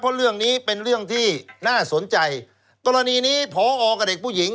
เพราะเรื่องนี้เป็นเรื่องที่น่าสนใจกรณีนี้พอกับเด็กผู้หญิง